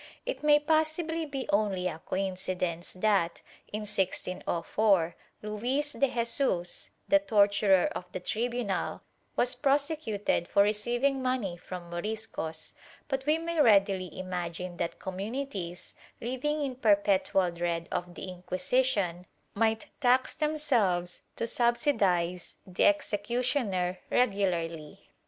* It may possibly be only a coincidence that, in 1604, Luis de Jesus, the torturer of the tribunal was prose cuted for receiving money from Moriscos, but we may readily imagine that communities, living in perpetual dread of the Inqui sition, might tax themselves to subsidize the executioner regu larly.